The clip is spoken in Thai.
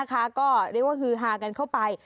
ก็เรียกว่าฮือฮากันเข้าไป